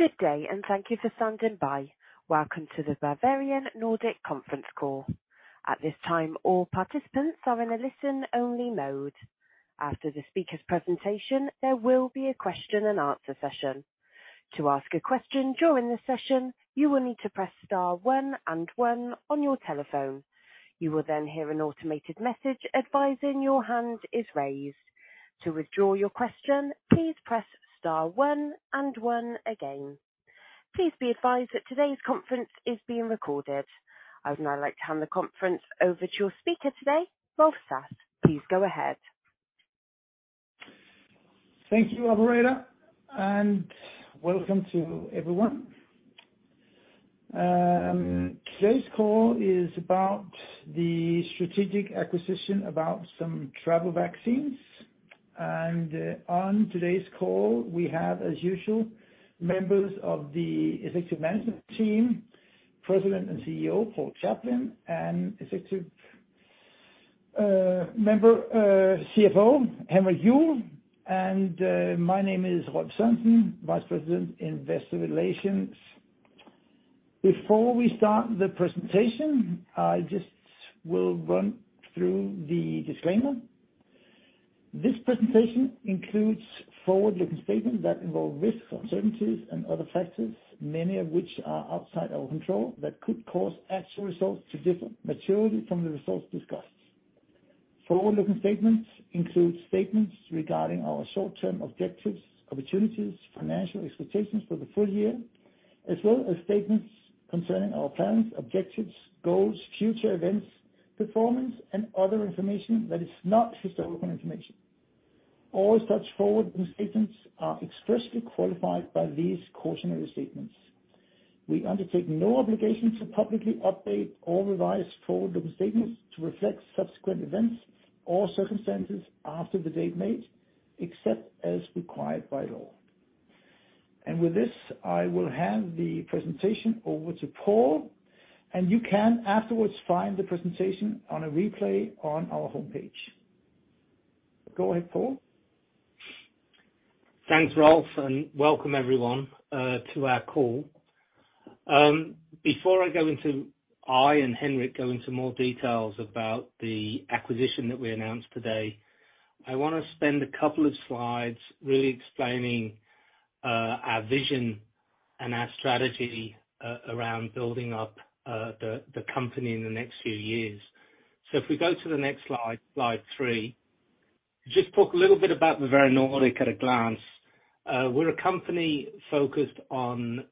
Good day. Thank you for standing by. Welcome to the Bavarian Nordic conference call. At this time, all participants are in a listen-only mode. After the speaker's presentation, there will be a question and answer session. To ask a question during the session, you will need to press star one and one on your telephone. You will hear an automated message advising your hand is raised. To withdraw your question, please press star one and one again. Please be advised that today's conference is being recorded. I would now like to hand the conference over to your speaker today, Rolf Sass. Please go ahead. Thank you, operator, and welcome to everyone. Today's call is about the strategic acquisition about some travel vaccines. On today's call, we have, as usual, members of the executive management team, President and CEO, Paul Chaplin, and Executive member, CFO, Henrik Juuel. My name is Rolf Santen, Vice President, Investor Relations. Before we start the presentation, I just will run through the disclaimer. This presentation includes forward-looking statements that involve risks, uncertainties, and other factors, many of which are outside our control that could cause actual results to differ materially from the results discussed. Forward-looking statements include statements regarding our short-term objectives, opportunities, financial expectations for the full year, as well as statements concerning our plans, objectives, goals, future events, performance, and other information that is not historical information. All such forward-looking statements are expressly qualified by these cautionary statements. We undertake no obligation to publicly update or revise forward-looking statements to reflect subsequent events or circumstances after the date made, except as required by law. With this, I will hand the presentation over to Paul, and you can afterwards find the presentation on a replay on our homepage. Go ahead, Paul. Thanks, Rolf, welcome everyone to our call. Before I and Henrik go into more details about the acquisition that we announced today, I wanna spend a couple of slides really explaining our vision and our strategy around building up the company in the next few years. If we go to the next slide 3. Just talk a little bit about Bavarian Nordic at a glance. We're a company focused on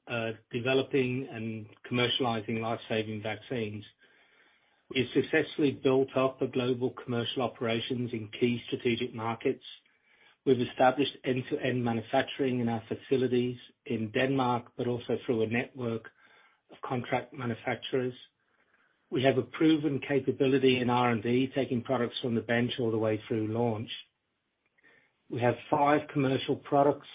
developing and commercializing life-saving vaccines. We successfully built up a global commercial operations in key strategic markets. We've established end-to-end manufacturing in our facilities in Denmark, also through a network of contract manufacturers. We have a proven capability in R&D, taking products from the bench all the way through launch. We have five commercial products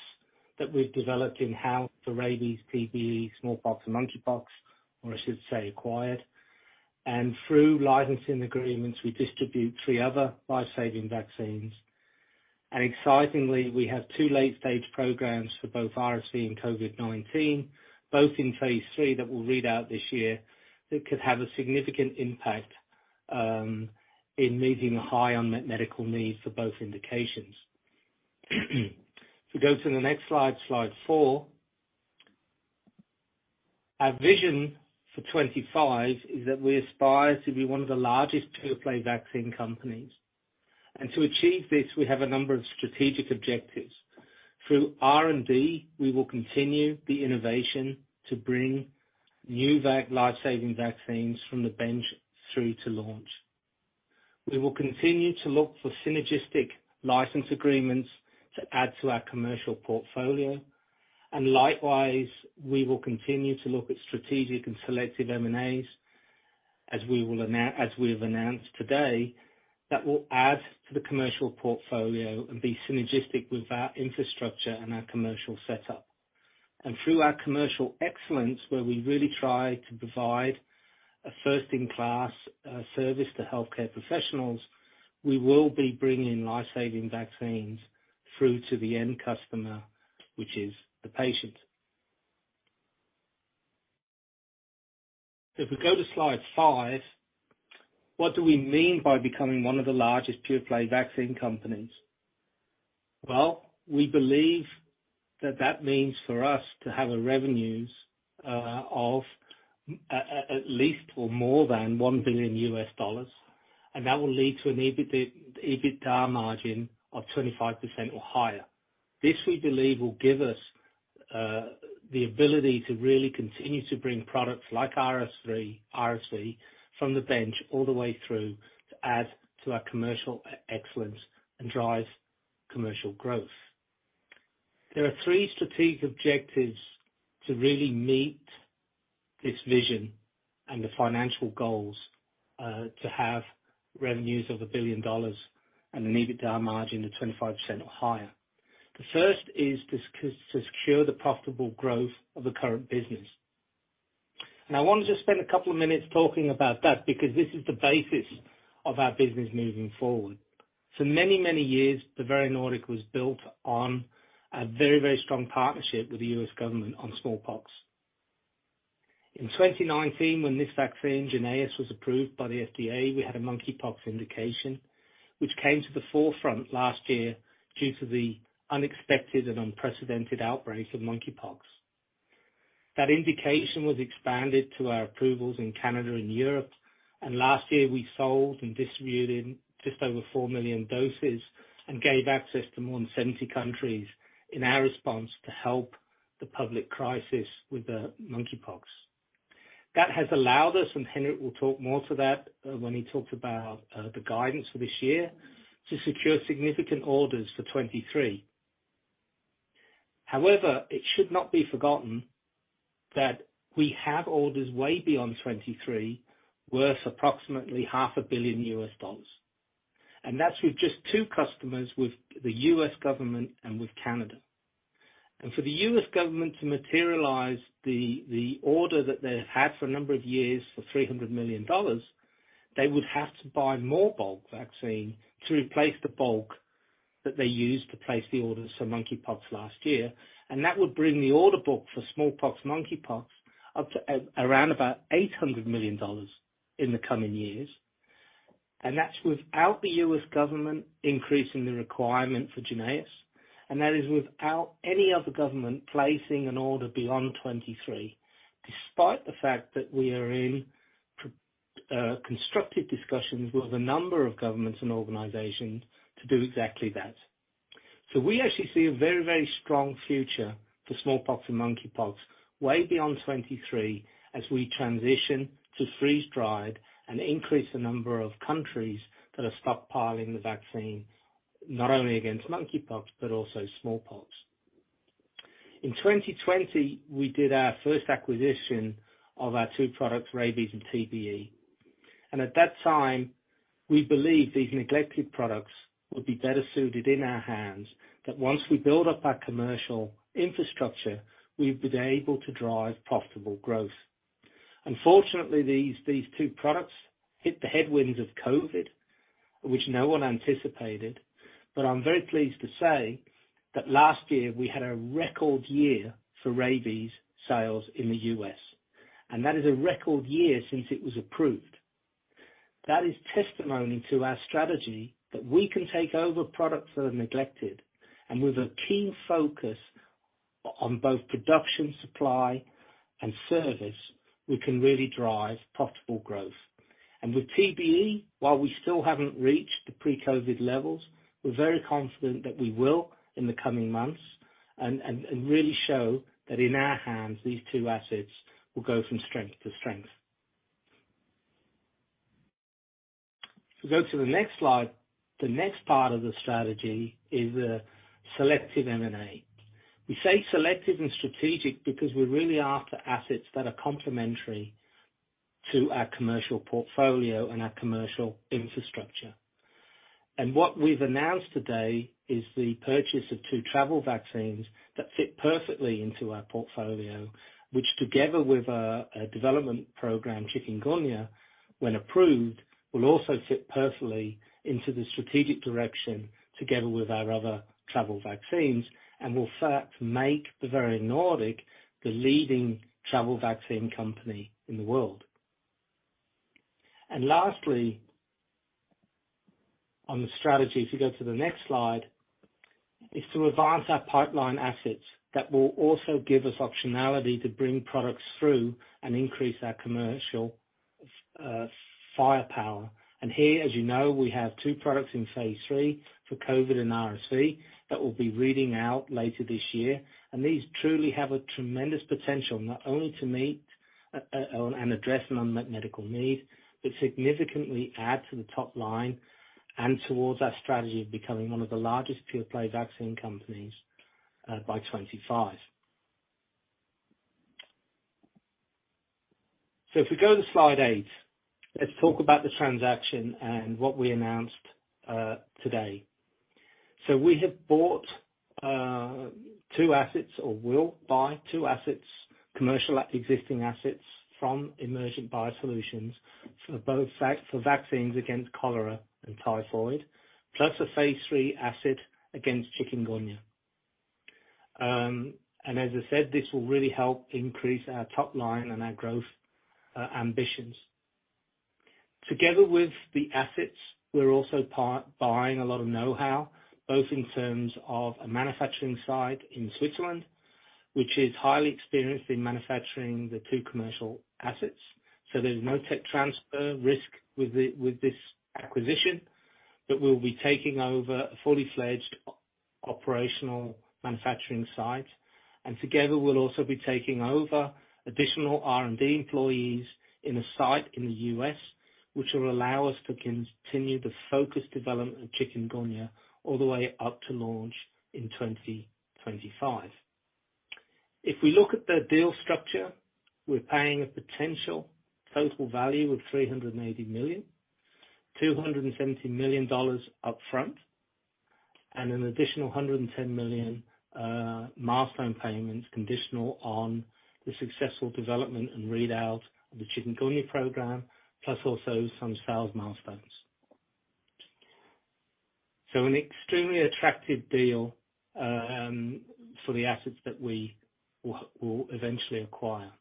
that we've developed in-house, the rabies, TBE, smallpox, and mpox, or I should say acquired. Through licensing agreements, we distribute 3 other life-saving vaccines. Excitingly, we have 2 late-stage programs for both RSV and COVID-19, both in phase 3 that will read out this year, that could have a significant impact in meeting a high unmet medical need for both indications. If we go to the next slide 4. Our vision for 2025 is that we aspire to be 1 of the largest pure-play vaccine companies. To achieve this, we have a number of strategic objectives. Through R&D, we will continue the innovation to bring new life-saving vaccines from the bench through to launch. We will continue to look for synergistic license agreements to add to our commercial portfolio. Likewise, we will continue to look at strategic and selective M&As, as we have announced today, that will add to the commercial portfolio and be synergistic with our infrastructure and our commercial setup. Through our commercial excellence, where we really try to provide a first-in-class service to healthcare professionals, we will be bringing life-saving vaccines through to the end customer, which is the patient. If we go to slide 5, what do we mean by becoming one of the largest pure-play vaccine companies? Well, we believe that that means for us to have revenues of at least or more than $1 billion, and that will lead to an EBITDA margin of 25% or higher. This, we believe, will give us the ability to really continue to bring products like RSV from the bench all the way through to add to our commercial excellence and drive commercial growth. There are three strategic objectives to really meet this vision and the financial goals to have revenues of $1 billion and an EBITDA margin of 25% or higher. The first is to secure the profitable growth of the current business. I want to just spend a couple of minutes talking about that, because this is the basis of our business moving forward. For many, many years, Bavarian Nordic was built on a very, very strong partnership with the U.S. government on smallpox. In 2019, when this vaccine, JYNNEOS, was approved by the FDA, we had a monkeypox indication which came to the forefront last year due to the unexpected and unprecedented outbreak of monkeypox. That indication was expanded to our approvals in Canada and Europe. Last year we sold and distributed just over 4 million doses and gave access to more than 70 countries in our response to help the public crisis with monkeypox. That has allowed us, and Henrik will talk more to that, when he talks about the guidance for this year, to secure significant orders for 2023. However, it should not be forgotten that we have orders way beyond 2023 worth approximately half a billion US dollars, and that's with just two customers, with the U.S. government and with Canada. For the US government to materialize the order that they've had for a number of years for $300 million, they would have to buy more bulk vaccine to replace the bulk that they used to place the orders for monkeypox last year. That would bring the order book for smallpox, monkeypox up to around about $800 million in the coming years. That's without the US government increasing the requirement for JYNNEOS, and that is without any other government placing an order beyond 23, despite the fact that we are in constructive discussions with a number of governments and organizations to do exactly that. We actually see a very, very strong future for smallpox and monkeypox way beyond 2023 as we transition to freeze-dried and increase the number of countries that are stockpiling the vaccine, not only against monkeypox but also smallpox. In 2020, we did our first acquisition of our two products, rabies and TBE, and at that time we believed these neglected products would be better suited in our hands, that once we build up our commercial infrastructure, we'd be able to drive profitable growth. Unfortunately, these two products hit the headwinds of COVID, which no one anticipated. I'm very pleased to say that last year we had a record year for rabies sales in the U.S., and that is a record year since it was approved. That is testimony to our strategy that we can take over products that are neglected and with a keen focus on both production, supply and service, we can really drive profitable growth. With TBE, while we still haven't reached the pre-COVID levels, we're very confident that we will in the coming months and really show that in our hands these two assets will go from strength to strength. If we go to the next slide. The next part of the strategy is selective M&A. We say selective and strategic because we're really after assets that are complementary to our commercial portfolio and our commercial infrastructure. What we've announced today is the purchase of two travel vaccines that fit perfectly into our portfolio, which, together with our development program, chikungunya, when approved, will also fit perfectly into the strategic direction together with our other travel vaccines and will in fact make Bavarian Nordic the leading travel vaccine company in the world. Lastly on the strategy, if you go to the next slide, is to advance our pipeline assets that will also give us optionality to bring products through and increase our commercial firepower. Here, as you know, we have two products in phase 3 for COVID and RSV that will be reading out later this year. These truly have a tremendous potential not only to meet and address an unmet medical need, but significantly add to the top line and towards our strategy of becoming one of the largest pure play vaccine companies by 2025. If we go to slide 8, let's talk about the transaction and what we announced today. We have bought two assets or will buy two assets, commercial existing assets from Emergent BioSolutions for both for vaccines against cholera and typhoid, plus a phase 3 asset against chikungunya. As I said, this will really help increase our top line and our growth ambitions. Together with the assets, we're also buying a lot of know-how, both in terms of a manufacturing site in Switzerland, which is highly experienced in manufacturing the two commercial assets. There's no tech transfer risk with this acquisition, but we'll be taking over a fully fledged operational manufacturing site, and together we'll also be taking over additional R&D employees in a site in the U.S., which will allow us to continue the focused development of chikungunya all the way up to launch in 2025. If we look at the deal structure, we're paying a potential total value of $380 million. $270 million up front. An additional $110 million milestone payments conditional on the successful development and readout of the chikungunya program, plus also some sales milestones. An extremely attractive deal for the assets that we will eventually acquire.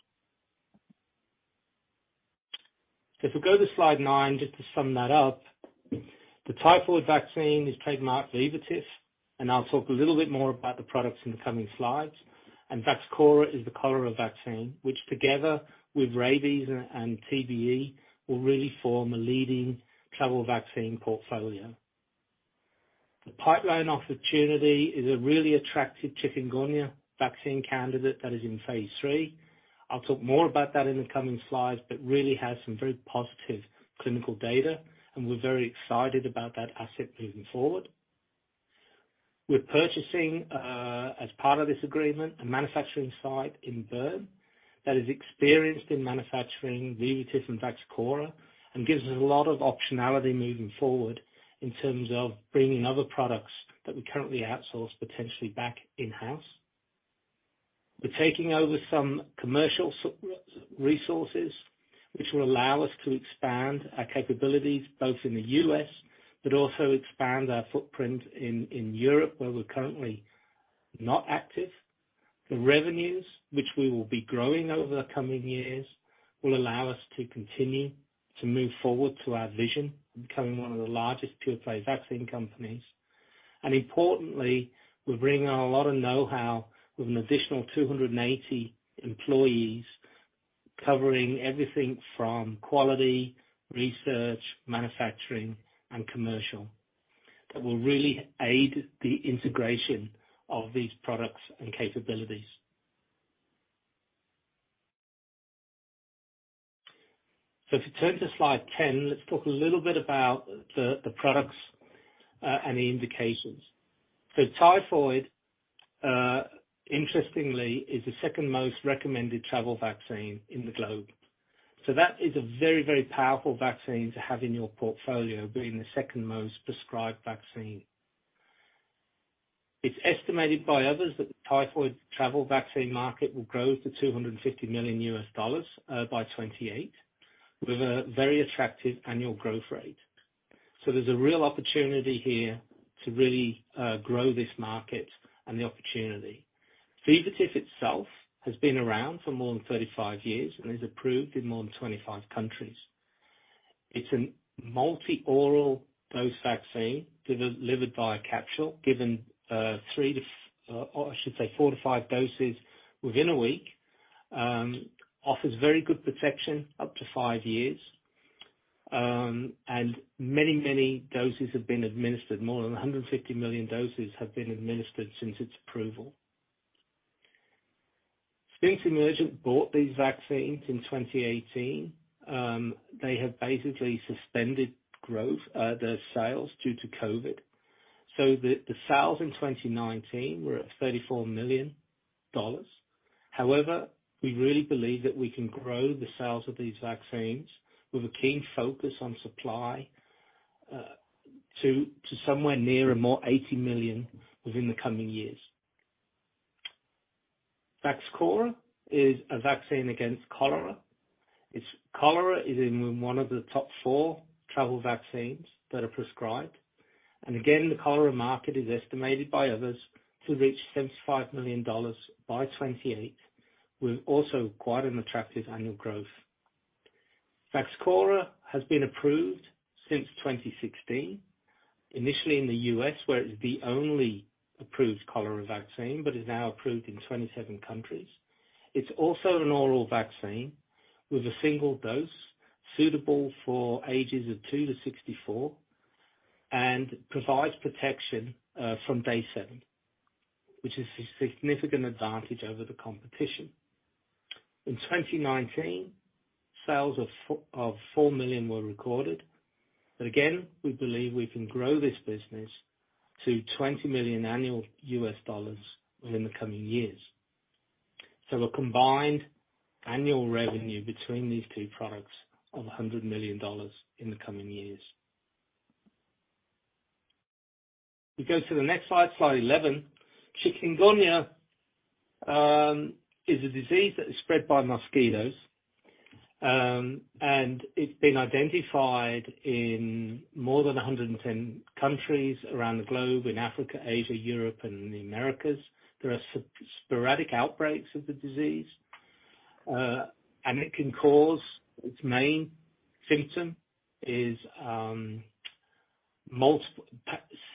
If we go to slide 9, just to sum that up. The typhoid vaccine is trademarked Vivotif, and I'll talk a little bit more about the products in the coming slides. Vaxchora is the cholera vaccine, which together with rabies and TBE, will really form a leading travel vaccine portfolio. The pipeline opportunity is a really attractive chikungunya vaccine candidate that is in phase 3. I'll talk more about that in the coming slides, but really have some very positive clinical data, and we're very excited about that asset moving forward. We're purchasing as part of this agreement, a manufacturing site in Bern that is experienced in manufacturing Vivotif and Vaxchora, and gives us a lot of optionality moving forward in terms of bringing other products that we currently outsource, potentially back in-house. We're taking over some commercial resources which will allow us to expand our capabilities both in the U.S., but also expand our footprint in Europe, where we're currently not active. The revenues, which we will be growing over the coming years, will allow us to continue to move forward to our vision of becoming one of the largest pure play vaccine companies. Importantly, we're bringing a lot of know-how with an additional 280 employees, covering everything from quality, research, manufacturing, and commercial, that will really aid the integration of these products and capabilities. If you turn to slide 10, let's talk a little bit about the products and the indications. Typhoid, interestingly, is the second most recommended travel vaccine in the globe. That is a very, very powerful vaccine to have in your portfolio, being the second most prescribed vaccine. It's estimated by others that the typhoid travel vaccine market will grow to $250 million by 2028, with a very attractive annual growth rate. There's a real opportunity here to really grow this market and the opportunity. Vivotif itself has been around for more than 35 years and is approved in more than 25 countries. It's a multi oral dose vaccine delivered via capsule, given 4-5 doses within a week. Offers very good protection up to five years. Many, many doses have been administered. More than 150 million doses have been administered since its approval. Emergent BioSolutions bought these vaccines in 2018. They have basically suspended growth, their sales due to COVID. The sales in 2019 were at $34 million. However, we really believe that we can grow the sales of these vaccines with a keen focus on supply, to somewhere near or more $80 million within the coming years. Vaxchora is a vaccine against cholera. Cholera is in one of the top 4 travel vaccines that are prescribed. Again, the cholera market is estimated by others to reach $75 million by 2028, with also quite an attractive annual growth. Vaxchora has been approved since 2016, initially in the US, where it's the only approved cholera vaccine, but is now approved in 27 countries. It's also an oral vaccine with a single dose, suitable for ages of 2 to 64, and provides protection from day 7, which is a significant advantage over the competition. In 2019, sales of $4 million were recorded. Again, we believe we can grow this business to $20 million annual US dollars within the coming years. A combined annual revenue between these two products of $100 million in the coming years. If we go to the next slide 11. Chikungunya is a disease that is spread by mosquitoes. It's been identified in more than 110 countries around the globe, in Africa, Asia, Europe and the Americas. There are sporadic outbreaks of the disease, it can cause, its main symptom is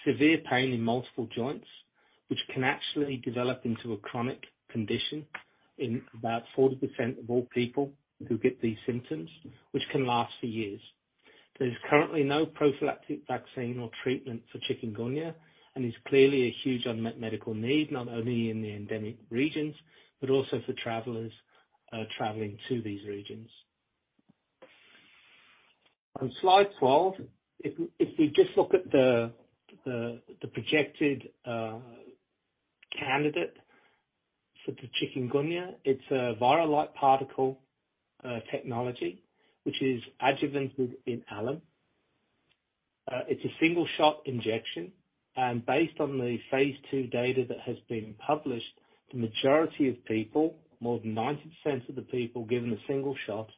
severe pain in multiple joints, which can actually develop into a chronic condition in about 40% of all people who get these symptoms, which can last for years. There's currently no prophylactic vaccine or treatment for chikungunya, is clearly a huge unmet medical need, not only in the endemic regions, but also for travelers traveling to these regions. On slide 12, if we just look at the projected candidate for the chikungunya, it's a viral-like particle technology which is adjuvanted in alum. It's a single-shot injection, based on the phase 2 data that has been published, the majority of people, more than 90% of the people given a single shot,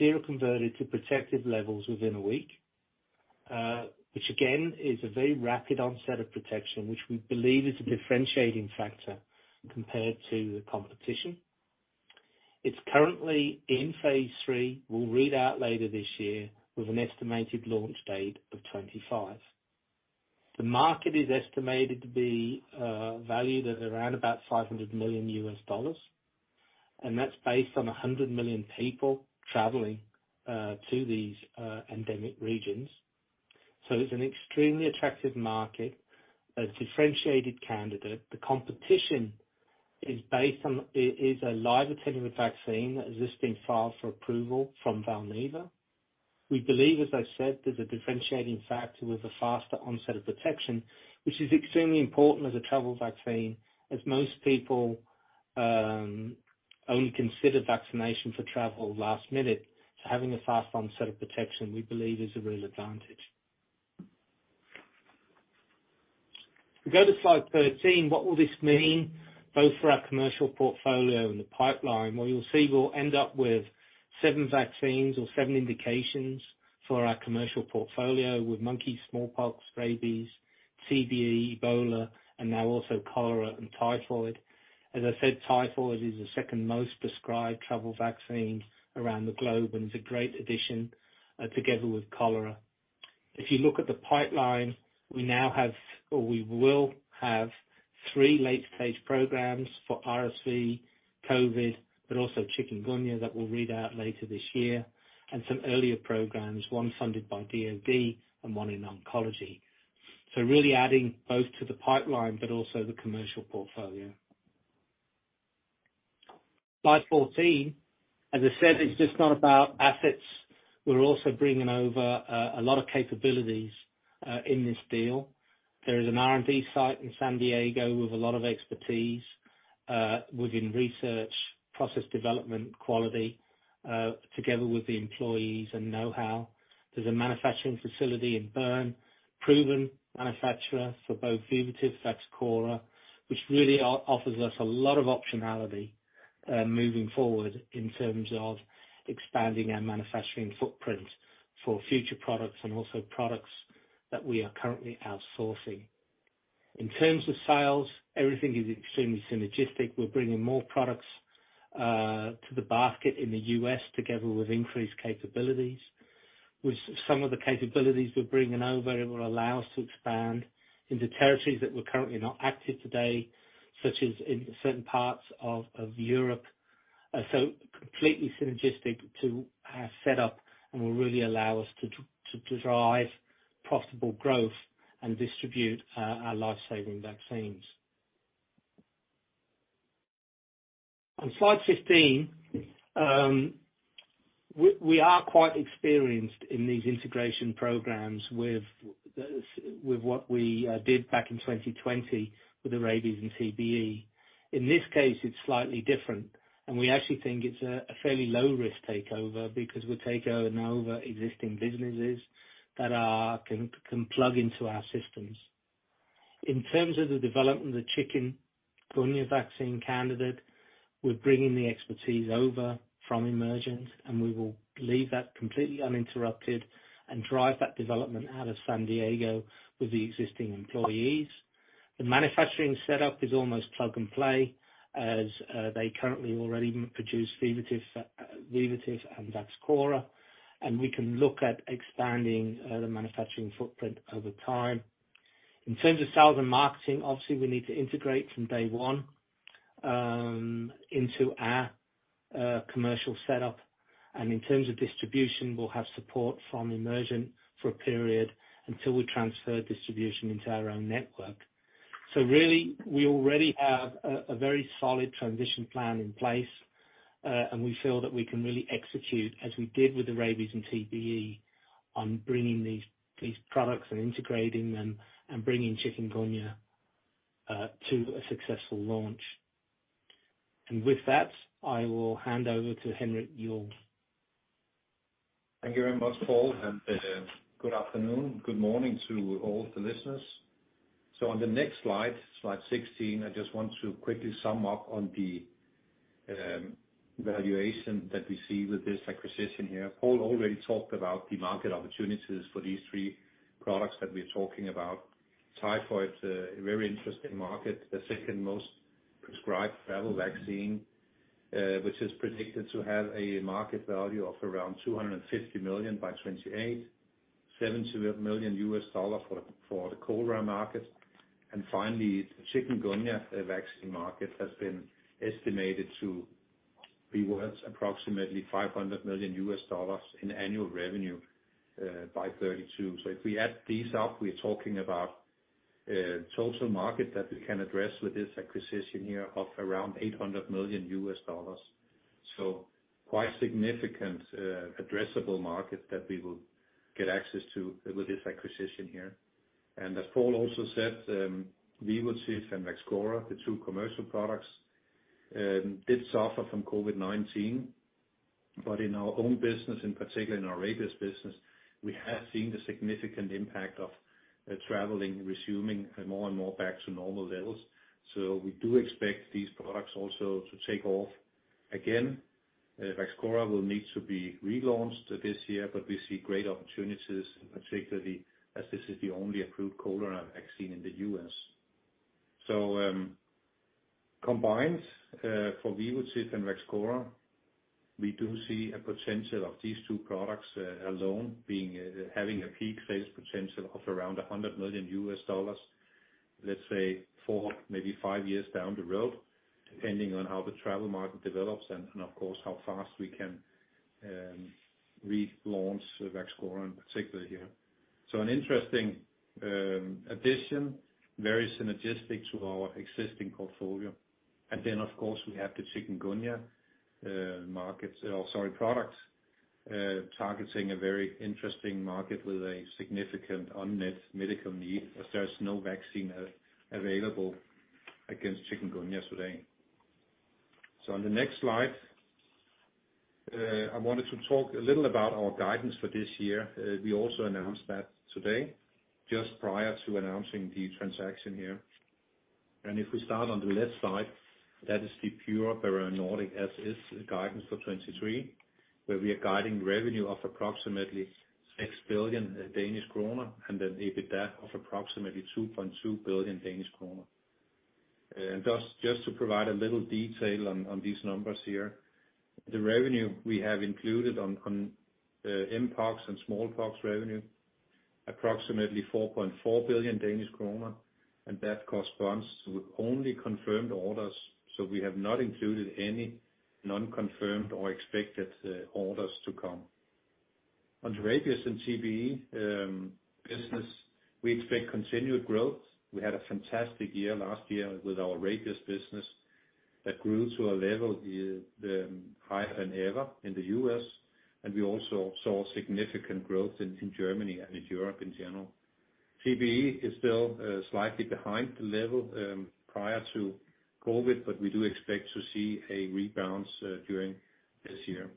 seroconverted to protective levels within a week. Which again, is a very rapid onset of protection which we believe is a differentiating factor compared to the competition. It's currently in phase 3, will read out later this year with an estimated launch date of 2025. The market is estimated to be valued at around about $500 million, that's based on 100 million people traveling to these endemic regions. It's an extremely attractive market, a differentiated candidate. The competition is a live attenuated vaccine that has just been filed for approval from Valneva. We believe, as I said, that the differentiating factor with a faster onset of protection, which is extremely important as a travel vaccine, as most people only consider vaccination for travel last minute. Having a fast onset of protection, we believe is a real advantage. If you go to slide 13, what will this mean both for our commercial portfolio and the pipeline? What you'll see, we'll end up with 7 vaccines or 7 indications for our commercial portfolio with monkey, smallpox, rabies, TBE, Ebola, and now also cholera and typhoid. As I said, typhoid is the second most prescribed travel vaccine around the globe and is a great addition, together with cholera. If you look at the pipeline, we now have or we will have 3 late-stage programs for RSV, COVID, but also chikungunya that will read out later this year. Some earlier programs, 1 funded by DOD and 1 in oncology. Really adding both to the pipeline but also the commercial portfolio. Slide 14. As I said, it's just not about assets. We're also bringing over a lot of capabilities in this deal. There is an R&D site in San Diego with a lot of expertise, within research, process development, quality, together with the employees and know-how. There's a manufacturing facility in Bern, proven manufacturer for both VIVOTIF, Vaxchora, which really offers us a lot of optionality, moving forward in terms of expanding our manufacturing footprint for future products and also products that we are currently outsourcing. In terms of sales, everything is extremely synergistic. We're bringing more products, to the basket in the U.S. together with increased capabilities. With some of the capabilities we're bringing over, it will allow us to expand into territories that we're currently not active today, such as in certain parts of Europe. So completely synergistic to our set up and will really allow us to derive profitable growth and distribute, our life-saving vaccines. On slide 15, we are quite experienced in these integration programs with what we did back in 2020 with the rabies and TBE. In this case, it's slightly different, we actually think it's a fairly low-risk takeover because we're taking over existing businesses that can plug into our systems. In terms of the development of the chikungunya vaccine candidate, we're bringing the expertise over from Emergent, we will leave that completely uninterrupted and drive that development out of San Diego with the existing employees. The manufacturing setup is almost plug and play as they currently already produce Vivotif and Vaxchora, we can look at expanding the manufacturing footprint over time. In terms of sales and marketing, obviously, we need to integrate from day one into our commercial setup. In terms of distribution, we'll have support from Emergent for a period until we transfer distribution into our own network. Really, we already have a very solid transition plan in place, and we feel that we can really execute as we did with the rabies and TBE on bringing these products and integrating them and bringing chikungunya to a successful launch. With that, I will hand over to Henrik Juuel. Thank you very much, Paul, and good afternoon, good morning to all the listeners. On the next slide 16, I just want to quickly sum up on the valuation that we see with this acquisition here. Paul already talked about the market opportunities for these three products that we're talking about. Typhoid, a very interesting market. The second most prescribed travel vaccine, which is predicted to have a market value of around $250 million by 2028. $7 million for the cholera market. Finally, the chikungunya vaccine market has been estimated to be worth approximately $500 million in annual revenue by 2032. If we add these up, we're talking about a total market that we can address with this acquisition here of around $800 million. Quite significant addressable market that we will get access to with this acquisition here. As Paul also said, Vivotif and Vaxchora, the two commercial products, did suffer from COVID-19. In our own business, in particular in our rabies business, we have seen the significant impact of traveling resuming more and more back to normal levels. We do expect these products also to take off again. Vaxchora will need to be relaunched this year, but we see great opportunities, particularly as this is the only approved cholera vaccine in the U.S. Combined, for Vivotif and Vaxchora, we do see a potential of these two products, alone being, having a peak sales potential of around $100 million, let's say four, maybe five years down the road, depending on how the travel market develops and of course, how fast we can relaunch Vaxchora in particular here. An interesting addition, very synergistic to our existing portfolio. Of course, we have the chikungunya products targeting a very interesting market with a significant unmet medical need, as there is no vaccine available against chikungunya today. On the next slide, I wanted to talk a little about our guidance for this year. We also announced that today, just prior to announcing the transaction here. If we start on the left side, that is the pure Bavarian Nordic as is guidance for 2023, where we are guiding revenue of approximately 6 billion Danish kroner and an EBITDA of approximately 2.2 billion Danish kroner. Just to provide a little detail on mpox and smallpox revenue, approximately 4.4 billion Danish kroner, and that corresponds to only confirmed orders, so we have not included any non-confirmed or expected orders to come. On Rapis and TBE business, we expect continued growth. We had a fantastic year last year with our Rapis business that grew to a level higher than ever in the US, and we also saw significant growth in Germany and in Europe in general. TBE is still slightly behind the level prior to COVID. We do expect to see a rebound during this year.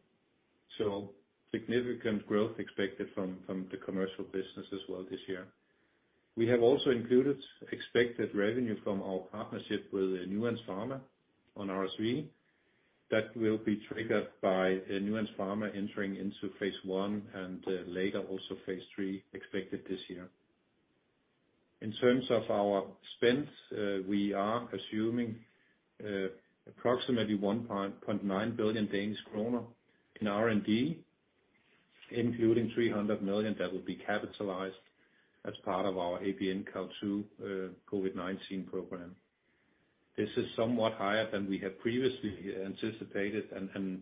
Significant growth expected from the commercial business as well this year. We have also included expected revenue from our partnership with Nuance Pharma on RSV that will be triggered by Nuance Pharma entering into phase one and later also phase three expected this year. In terms of our spend, we are assuming approximately 1.9 billion Danish kroner in R&D, including 300 million that will be capitalized as part of our APN CAH2, COVID-19 program. This is somewhat higher than we had previously anticipated and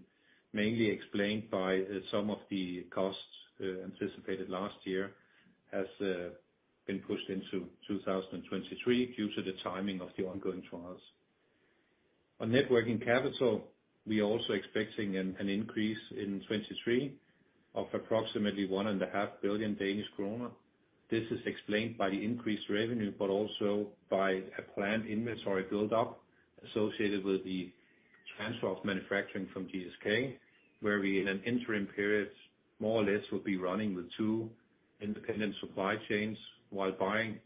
mainly explained by some of the costs anticipated last year has been pushed into 2023 due to the timing of the ongoing trials. On networking capital, we are also expecting an increase in 2023 of approximately 1.5 billion Danish kroner. This is explained by the increased revenue, also by a planned inventory buildup associated with the transfer of manufacturing from GSK, where we in an interim period more or less will be running with two independent supply chains. While buying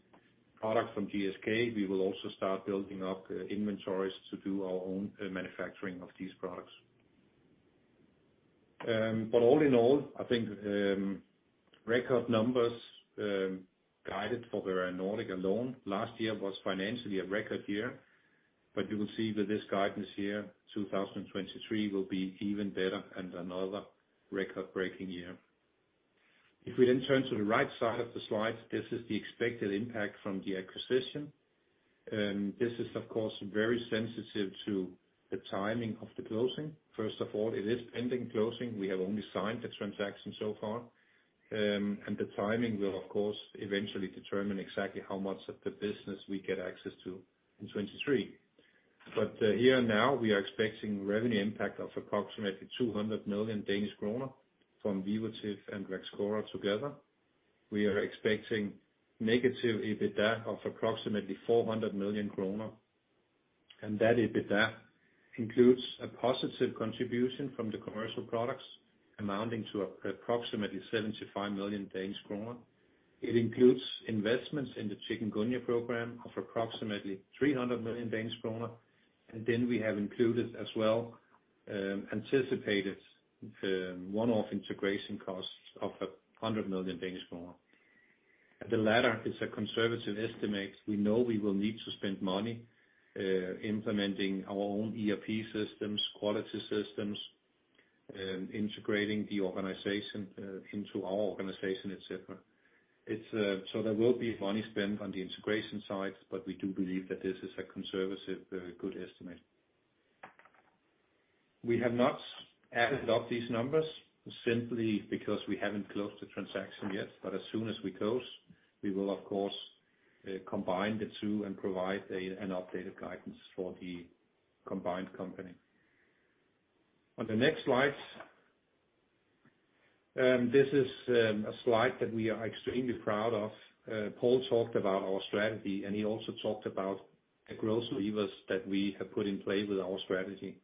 product from GSK, we will also start building up inventories to do our own manufacturing of these products. All in all, I think record numbers guided for Bavarian Nordic alone. Last year was financially a record year, you will see that this guidance year, 2023, will be even better and another record-breaking year. If we turn to the right side of the slide, this is the expected impact from the acquisition. This is of course very sensitive to the timing of the closing. It is pending closing. We have only signed the transaction so far. The timing will of course eventually determine exactly how much of the business we get access to in 2023. Here now we are expecting revenue impact of approximately 200 million Danish kroner from Vivotif and Vaxchora together. We are expecting negative EBITDA of approximately 400 million kroner, that EBITDA includes a positive contribution from the commercial products amounting to approximately 75 million Danish kroner. It includes investments in the chikungunya program of approximately 300 million Danish kroner, we have included as well anticipated one-off integration costs of 100 million Danish kroner. The latter is a conservative estimate. We know we will need to spend money, implementing our own ERP systems, quality systems, integrating the organization into our organization, etc. It's so there will be money spent on the integration side, but we do believe that this is a conservative, good estimate. We have not added up these numbers simply because we haven't closed the transaction yet. As soon as we close, we will of course combine the two and provide an updated guidance for the combined company. On the next slide, this is a slide that we are extremely proud of. Paul talked about our strategy, and he also talked about the growth levers that we have put in play with our strategy.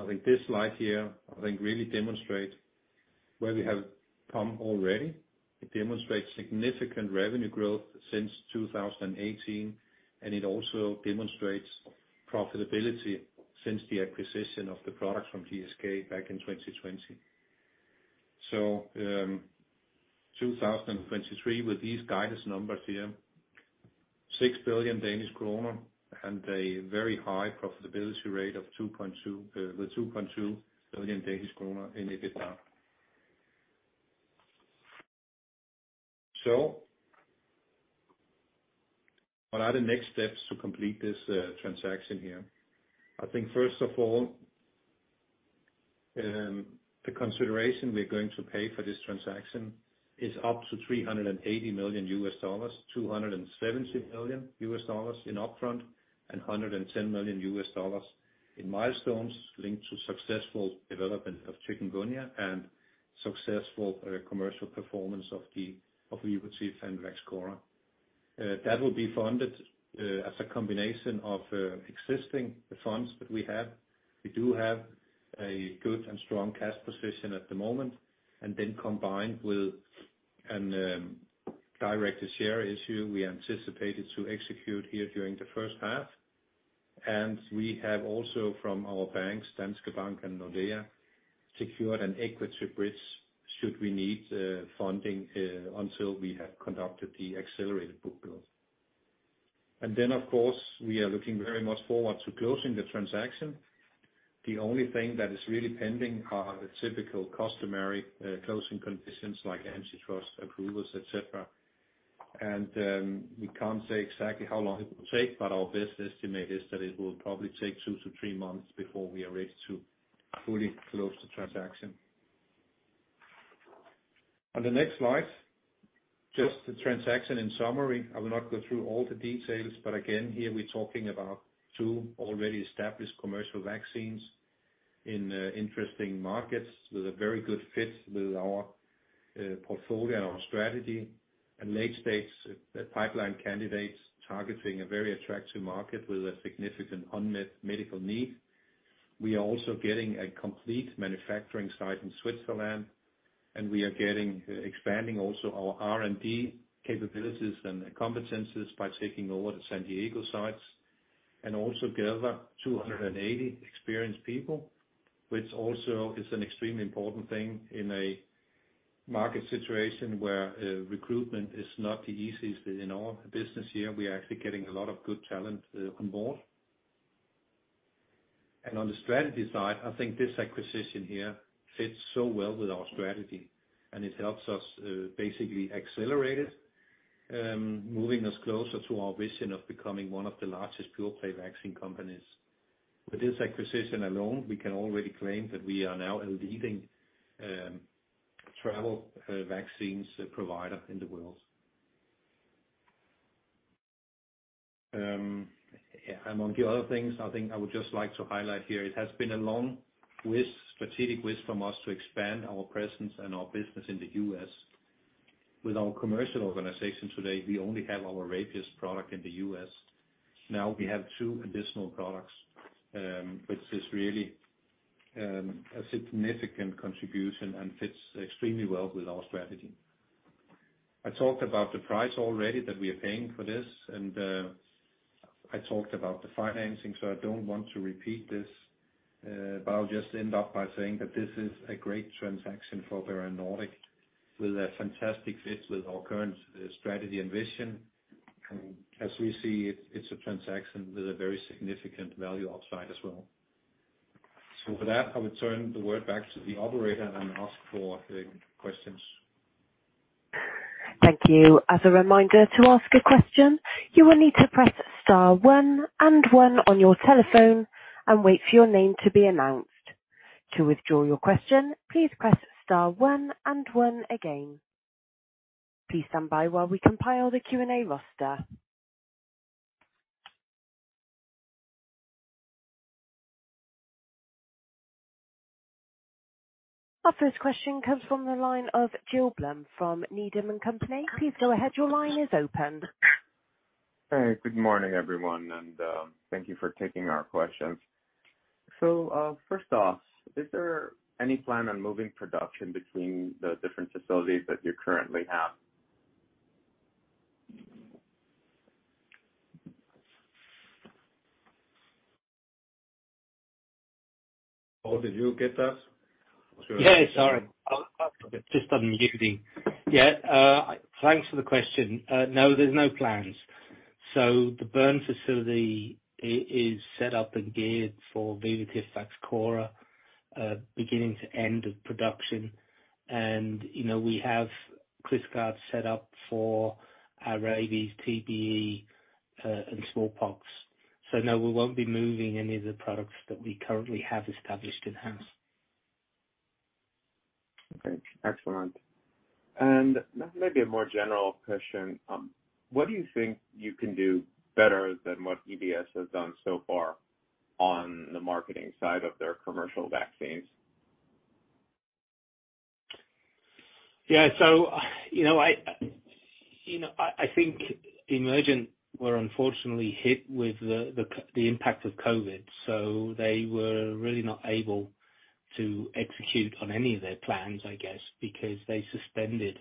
I think this slide here really demonstrate where we have come already. It demonstrates significant revenue growth since 2018, and it also demonstrates profitability since the acquisition of the products from GSK back in 2020. 2023, with these guidance numbers here, 6 billion Danish kroner and a very high profitability rate of 2.2, with 2.2 billion Danish kroner in EBITDA. What are the next steps to complete this transaction here? I think first of all, the consideration we're going to pay for this transaction is up to $380 million, $270 million in upfront and $110 million in milestones linked to successful development of chikungunya and successful commercial performance of the, of Vivotif and Vaxchora. That will be funded as a combination of existing funds that we have. We do have a good and strong cash position at the moment, combined with an direct share issue we anticipated to execute here during the first half. We have also from our banks, Danske Bank and Nordea, secured an equity bridge should we need funding until we have conducted the accelerated book build. Of course, we are looking very much forward to closing the transaction. The only thing that is really pending are the typical customary closing conditions like antitrust approvals, et cetera. We can't say exactly how long it will take, but our best estimate is that it will probably take 2-3 months before we are ready to fully close the transaction. On the next slide, just the transaction in summary. I will not go through all the details, here we're talking about two already established commercial vaccines in interesting markets with a very good fit with our portfolio and our strategy and late-stage pipeline candidates targeting a very attractive market with a significant unmet medical need. We are also getting a complete manufacturing site in Switzerland, we are getting, expanding also our R&D capabilities and competencies by taking over the San Diego sites and also gather 280 experienced people, which also is an extremely important thing in a market situation where recruitment is not the easiest in our business here. We are actually getting a lot of good talent on board. On the strategy side, I think this acquisition here fits so well with our strategy, and it helps us basically accelerate it, moving us closer to our vision of becoming one of the largest pure-play vaccine companies. With this acquisition alone, we can already claim that we are now a leading travel vaccines provider in the world. Among the other things, I think I would just like to highlight here it has been a long wish, strategic wish from us to expand our presence and our business in the U.S. With our commercial organization today, we only have our rabies product in the U.S. Now we have two additional products, which is really a significant contribution and fits extremely well with our strategy. I talked about the price already that we are paying for this, and I talked about the financing. I don't want to repeat this. I'll just end up by saying that this is a great transaction for Bavarian Nordic with a fantastic fit with our current strategy and vision. As we see it's a transaction with a very significant value upside as well. With that, I will turn the word back to the operator and ask for the questions. Thank you. As a reminder, to ask a question, you will need to press star one and one on your telephone and wait for your name to be announced. To withdraw your question, please press star one and one again. Please stand by while we compile the Q&A roster. Our first question comes from the line of Gil Blum from Needham & Company. Please go ahead. Your line is open. Hey, good morning, everyone, and thank you for taking our questions. First off, is there any plan on moving production between the different facilities that you currently have? Paul, did you get that? Yeah, sorry. Just unmuting. Yeah, thanks for the question. No, there's no plans. The Bern facility is set up and geared for Vaxchora, beginning to end of production. you know, we have ClickGuard set up for our rabies, TBE, and smallpox. No, we won't be moving any of the products that we currently have established in-house. Okay, excellent. Now maybe a more general question. What do you think you can do better than what EBS has done so far on the marketing side of their commercial vaccines? You know, I, you know, I think Emergent were unfortunately hit with the impact of COVID. They were really not able to execute on any of their plans, I guess, because they suspended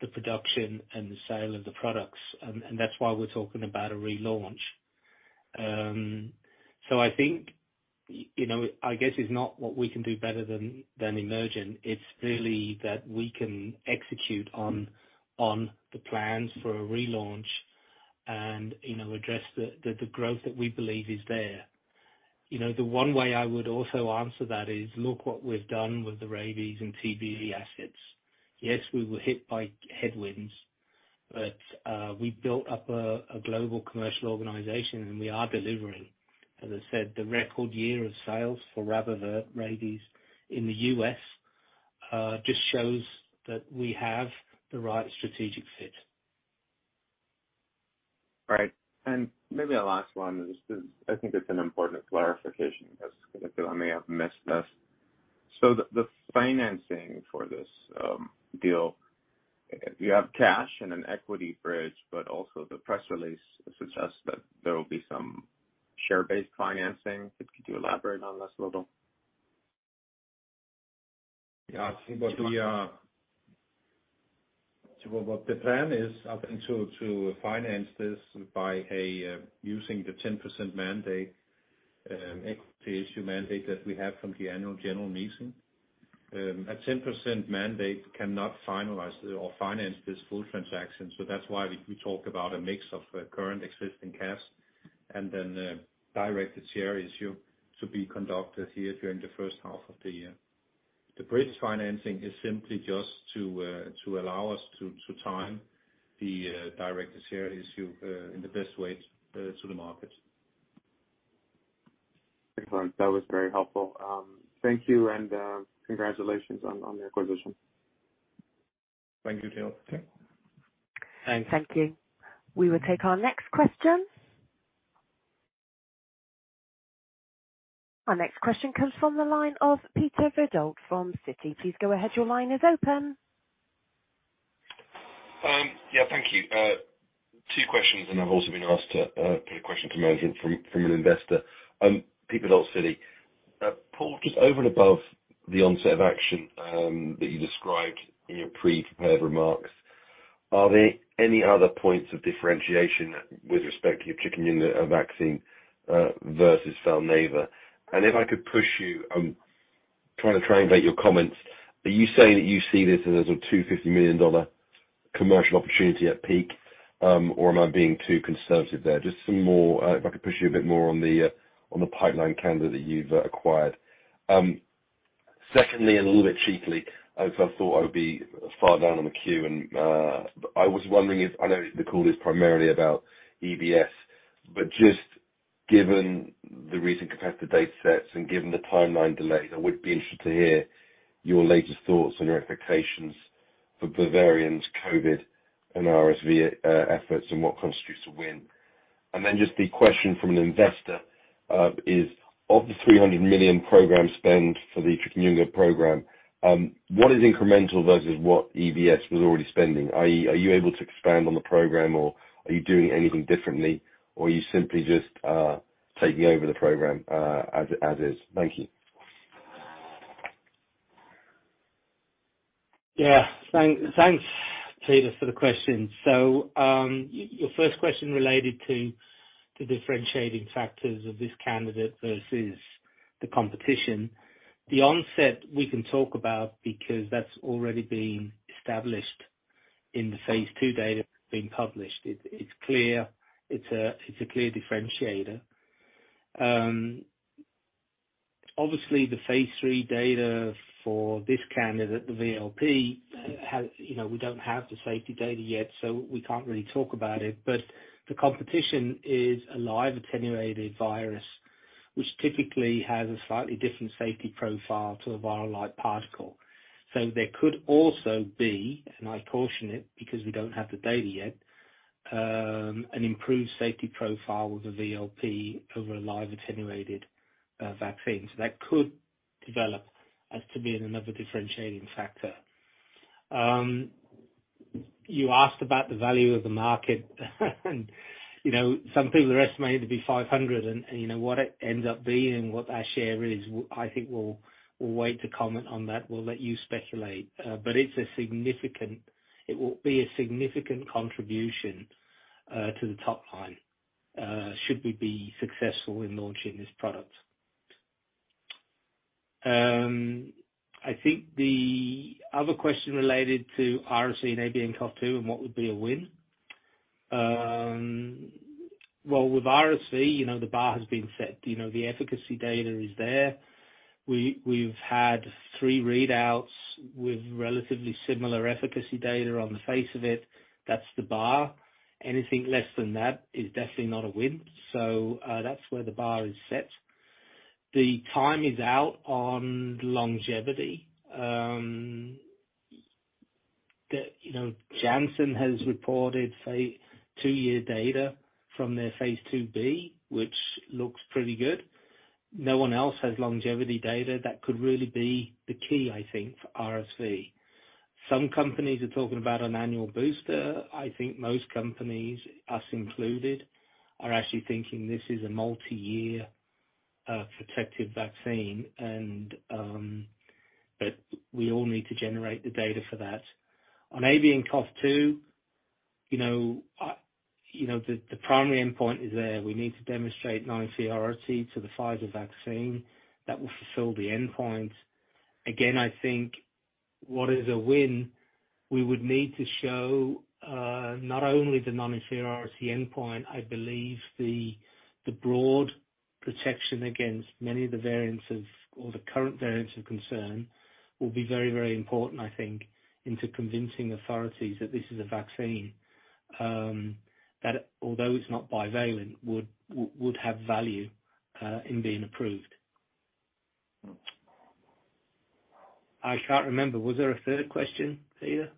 the production and the sale of the products. That's why we're talking about a relaunch. I think, you know, I guess it's not what we can do better than Emergent. It's really that we can execute on the plans for a relaunch and, you know, address the growth that we believe is there. You know, the one way I would also answer that is look what we've done with the rabies and TBE assets. Yes, we were hit by headwinds, we built up a global commercial organization, we are delivering. As I said, the record year of sales for RabAvert in the U.S., just shows that we have the right strategic fit. Right. Maybe a last one. I think it's an important clarification because I feel I may have missed this. The financing for this deal. You have cash and an equity bridge, but also the press release suggests that there will be some share-based financing. Could you elaborate on this a little? What the plan is up until to finance this by using the 10% mandate equity issue mandate that we have from the annual general meeting. A 10% mandate cannot finalize or finance this full transaction, that's why we talk about a mix of current existing cash and then directed share issue to be conducted here during the first half of the year. The bridge financing is simply just to allow us to time the directed share issue in the best way to the market. Excellent. That was very helpful. Thank you and congratulations on the acquisition. Thank you, Gil. Okay. Thanks. Thank you. We will take our next question. Our next question comes from the line of Peter Verdult from Citi. Please go ahead. Your line is open. Yeah. Thank you. Two questions, I've also been asked to put a question to management from an investor. Peter Verdult, Citi. Paul, just over and above the onset of action that you described in your pre-prepared remarks, are there any other points of differentiation with respect to your chikungunya vaccine versus Valneva? If I could push you, I'm trying to translate your comments. Are you saying that you see this as a $250 million commercial opportunity at peak, or am I being too conservative there? Just some more, if I could push you a bit more on the pipeline candidate that you've acquired. Secondly, and a little bit cheaply, as I thought I would be far down on the queue, I was wondering if. I know the call is primarily about EBS, but just given the recent competitive datasets and given the timeline delay, I would be interested to hear your latest thoughts and your expectations for Bavarian's COVID and RSV efforts and what constitutes a win. Just the question from an investor is of the 300 million program spend for the chikngunya program, what is incremental versus what EBS was already spending? I-e, are you able to expand on the program, or are you doing anything differently, or are you simply just taking over the program as is? Thank you. Thanks, Peter, for the question. Your first question related to differentiating factors of this candidate versus the competition. The onset we can talk about because that's already been established in the phase two data that's been published. It's clear. It's a clear differentiator. Obviously the phase three data for this candidate, the VLP, has, you know, we don't have the safety data yet, so we can't really talk about it. But the competition is a live attenuated virus, which typically has a slightly different safety profile to a viral-like particle. There could also be, and I caution it because we don't have the data yet, an improved safety profile with a VLP over a live attenuated vaccine. That could develop as to being another differentiating factor. You asked about the value of the market, and, you know, some people are estimating it to be 500, and, you know, what it ends up being and what our share is, I think we'll wait to comment on that. We'll let you speculate. But it will be a significant contribution to the top line, should we be successful in launching this product. I think the other question related to RSV and ABNCoV2 and what would be a win? Well, with RSV, you know, the bar has been set. You know, the efficacy data is there. We've had 3 readouts with relatively similar efficacy data on the face of it. That's the bar. Anything less than that is definitely not a win. That's where the bar is set. The time is out on longevity. You know, Janssen has reported 2-year data from their phase 2 B, which looks pretty good. No one else has longevity data that could really be the key, I think, for RSV. Some companies are talking about an annual booster. I think most companies, us included, are actually thinking this is a multi-year protective vaccine and, but we all need to generate the data for that. On ABNCoV2, you know, you know, the primary endpoint is there. We need to demonstrate non-inferiority to the Pfizer vaccine that will fulfill the endpoint. I think what is a win, we would need to show not only the non-inferiority endpoint, I believe the broad protection against many of the variants of, or the current variants of concern will be very important, I think, into convincing authorities that this is a vaccine that although it's not bivalent would have value in being approved. I can't remember. Was there a third question, Peter?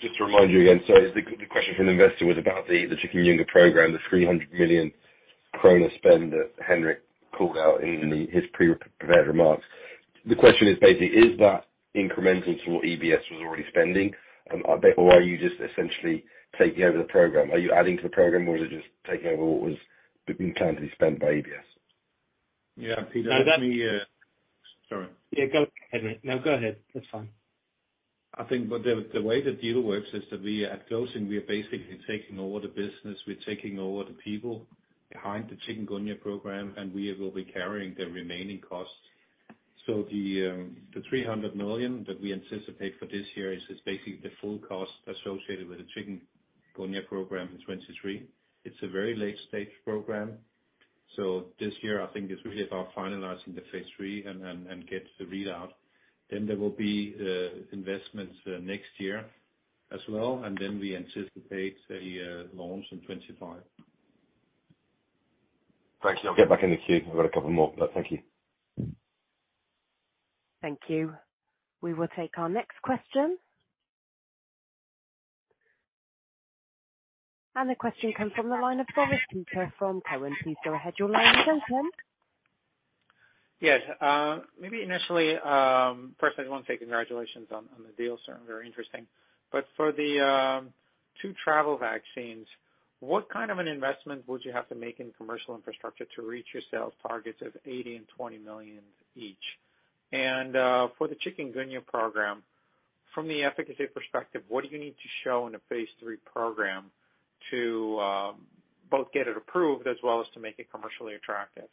Just to remind you again, the question from the investor was about the chikungunya program, the 300 million kroner spend that Henrik called out in his pre-prepared remarks. The question is basically, is that incremental to what EBS was already spending? Are you just essentially taking over the program? Are you adding to the program or is it just taking over what was being planned to be spent by EBS? Yeah. Peter, let me. No. Sorry. Yeah, go ahead, Henrik. No, go ahead. That's fine. I think what the way the deal works is that we at closing we are basically taking over the business, we're taking over the people behind the chikungunya program, and we will be carrying the remaining costs. The 300 million that we anticipate for this year is basically the full cost associated with the chikungunya program in 2023. It's a very late-stage program, this year I think is really about finalizing the phase III and get the readout. There will be investments next year as well, and we anticipate a launch in 2025. Thanks. I'll get back in the queue. I've got a couple more. No, thank you. Thank you. We will take our next question. The question comes from the line of Boris Peaker from Cowen. Please go ahead. Your line is open. Yes. Maybe initially, first I just wanna say congratulations on the deal. Certainly very interesting. For the two travel vaccines, what kind of an investment would you have to make in commercial infrastructure to reach your sales targets of 80 million and 20 million each? For the chikungunya program, from the efficacy perspective, what do you need to show in a phase III program to both get it approved as well as to make it commercially attractive?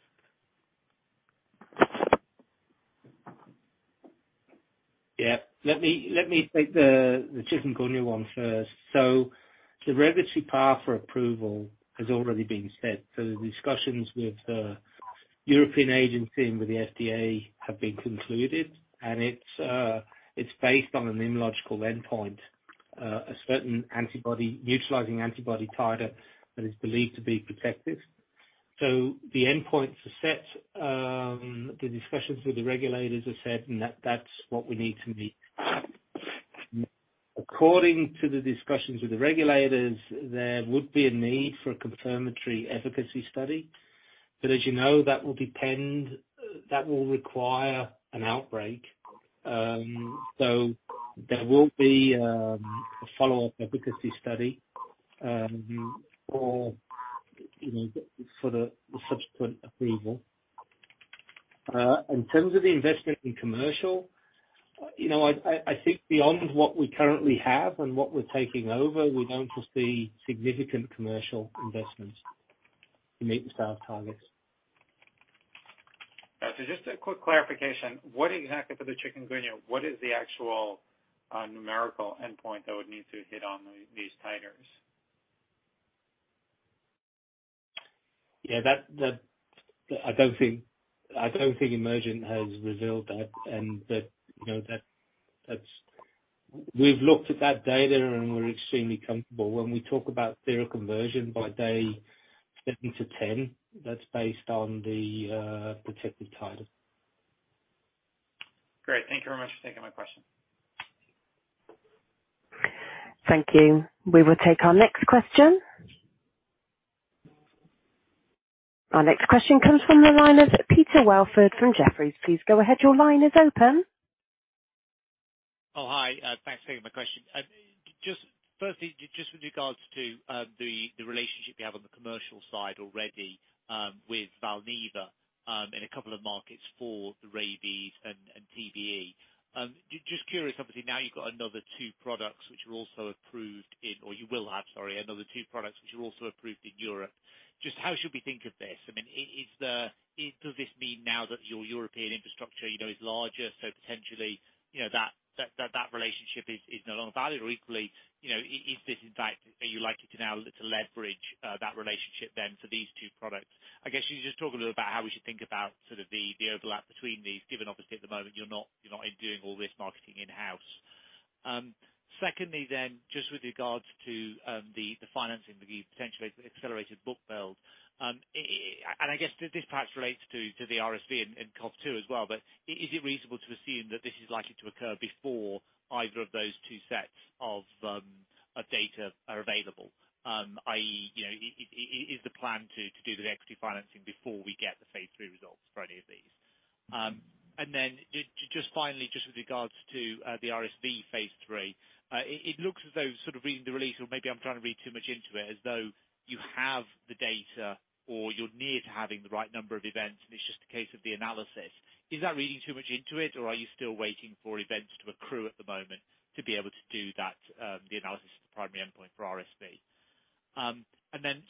Yeah. Let me take the chikungunya one first. The regulatory path for approval has already been set. The discussions with the European agency and with the FDA have been concluded, and it's based on an immunological endpoint, a certain antibody, utilizing antibody titer that is believed to be protective. The endpoints are set. The discussions with the regulators are set, and that's what we need to meet. According to the discussions with the regulators, there would be a need for a confirmatory efficacy study. As you know, that will depend, that will require an outbreak. There will be a follow-up efficacy study for, you know, for the subsequent approval. In terms of the investment in commercial, you know, I, I think beyond what we currently have and what we're taking over, we don't foresee significant commercial investments to meet the sales targets. Just a quick clarification. What exactly for the chikungunya, what is the actual, numerical endpoint that would need to hit on the, these titers? Yeah, that. I don't think Emergent has revealed that. You know, that's, we've looked at that data, and we're extremely comfortable. When we talk about seroconversion by day seven to 10, that's based on the protective titer. Great. Thank you very much for taking my question. Thank you. We will take our next question. Our next question comes from the line of Peter Welford from Jefferies. Please go ahead. Your line is open. Hi. Thanks for taking my question. Just firstly, just with regards to the relationship you have on the commercial side already with Valneva in a couple of markets for the rabies and TBE. Just curious, obviously now you've got another 2 products which are also approved in, or you will have, sorry, another 2 products which are also approved in Europe. Just how should we think of this? I mean, does this mean now that your European infrastructure, you know, is larger, so potentially, you know, that relationship is no longer valid? Or equally, you know, is this in fact are you likely to now to leverage that relationship then for these 2 products? I guess you could just talk a little about how we should think about sort of the overlap between these, given obviously at the moment you're not, you're not doing all this marketing in-house. Secondly then, just with regards to the financing, the potentially accelerated bookbuild, I guess this perhaps relates to the RSV and ABNCoV2 as well, but is it reasonable to assume that this is likely to occur before either of those two sets of data are available? i.e., you know, is the plan to do the equity financing before we get the phase III results for any of these? Just finally, just with regards to the RSV phase III, it looks as though, sort of reading the release, or maybe I'm trying to read too much into it, as though you have the data or you're near to having the right number of events, and it's just a case of the analysis. Is that reading too much into it, or are you still waiting for events to accrue at the moment to be able to do that, the analysis of the primary endpoint for RSV?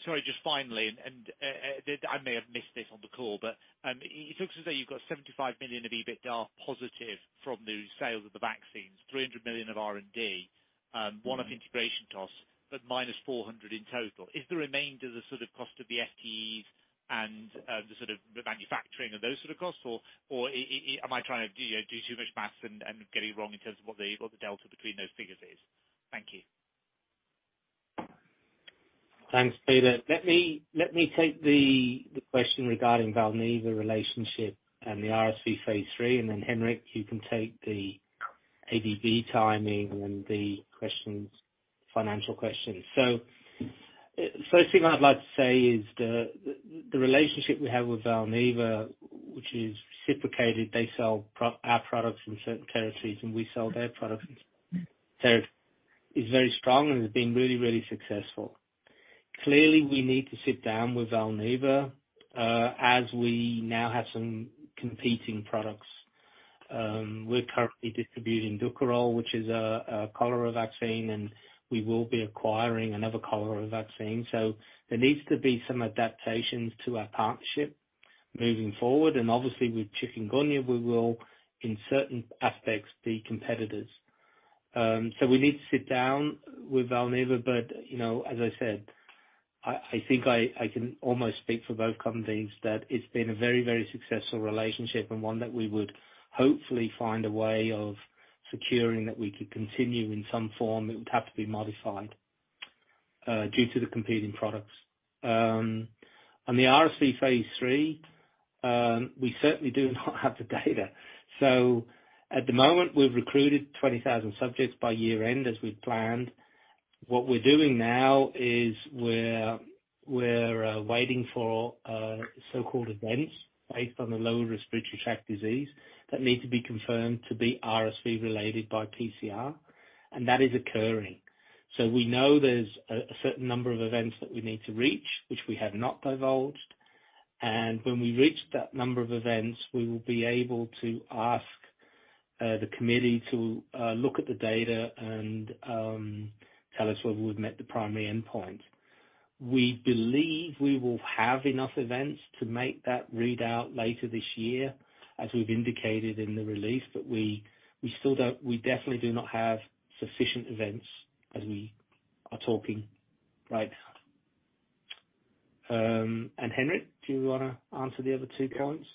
Sorry, just finally, I may have missed this on the call, but it looks as though you've got 75 million of EBITDA positive from the sales of the vaccines, 300 million of R&D, 1 million of integration costs, but minus 400 million in total. Is the remainder the sort of cost of the FTEs and the sort of the manufacturing of those sort of costs, or am I trying to do too much math and getting it wrong in terms of what the delta between those figures is? Thank you. Thanks, Peter. Let me take the question regarding Valneva relationship and the RSV phase 3, and then Henrik, you can take the ABB timing and the questions, financial questions. First thing I'd like to say is the relationship we have with Valneva, which is reciprocated, they sell our products in certain territories, and we sell their products. It's very strong and has been really, really successful. Clearly, we need to sit down with Valneva as we now have some competing products. We're currently distributing Dukoral, which is a cholera vaccine, and we will be acquiring another cholera vaccine. There needs to be some adaptations to our partnership moving forward, and obviously with chikungunya, we will, in certain aspects, be competitors. We need to sit down with Valneva, but, you know, as I said, I think I can almost speak for both companies that it's been a very, very successful relationship and one that we would hopefully find a way of securing that we could continue in some form. It would have to be modified due to the competing products. On the RSV phase 3, we certainly do not have the data. At the moment, we've recruited 20,000 subjects by year end, as we've planned. What we're doing now is we're waiting for so-called events based on the Lower Respiratory Tract Disease that need to be confirmed to be RSV related by PCR, and that is occurring. We know there's a certain number of events that we need to reach, which we have not divulged. When we reach that number of events, we will be able to ask the committee to look at the data and tell us whether we've met the primary endpoint. We believe we will have enough events to make that readout later this year, as we've indicated in the release, but we definitely do not have sufficient events as we are talking right now. Henrik, do you wanna answer the other two points?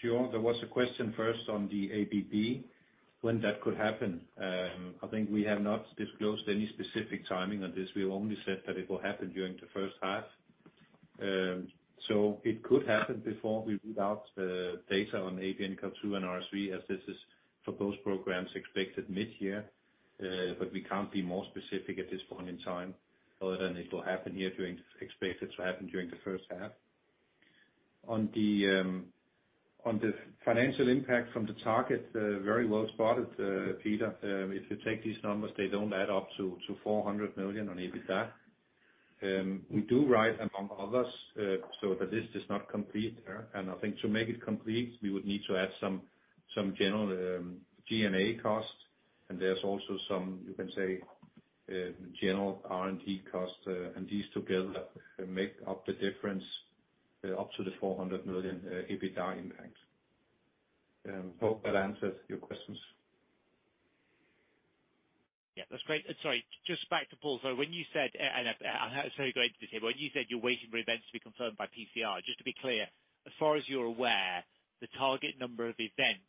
Sure. There was a question first on the ABV, when that could happen. I think we have not disclosed any specific timing on this. We only said that it will happen during the first half. It could happen before we read out the data on ABNCoV2 and RSV, as this is for those programs expected mid-year. We can't be more specific at this point in time other than expect it to happen during the first half. On the, on the financial impact from the target, very well spotted, Peter. If you take these numbers, they don't add up to 400 million on EBITDA. We do write among others, the list is not complete there. I think to make it complete, we would need to add some general G&A costs. There's also some, you can say, general R&D costs. These together make up the difference up to the 400 million EBITDA impact. Hope that answers your questions. Yeah, that's great. Sorry, just back to Paul, though. When you said you're waiting for events to be confirmed by PCR, just to be clear, as far as you're aware, the target number of events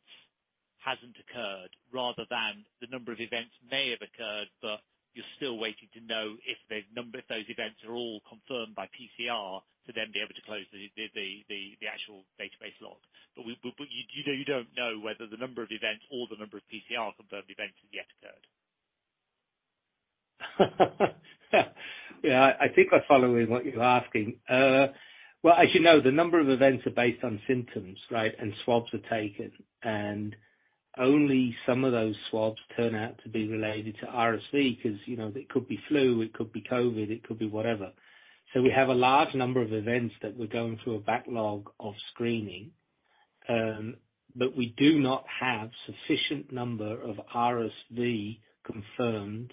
hasn't occurred rather than the number of events may have occurred, but you're still waiting to know if the number of those events are all confirmed by PCR to then be able to close the actual database log. What you know, you don't know whether the number of events or the number of PCR-confirmed events has yet occurred? Yeah. I think I follow with what you're asking. well, as you know, the number of events are based on symptoms, right? Swabs are taken, and only some of those swabs turn out to be related to RSV 'cause, you know, it could be flu, it could be COVID, it could be whatever. We have a large number of events that we're going through a backlog of screening, but we do not have sufficient number of RSV confirmed